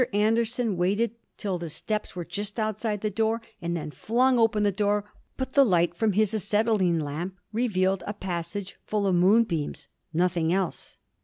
Anderson waited till the steps were just outside the room and then flung open the door, but the light from his acetylene lamp revealed a passage full of moonbeams nothing else.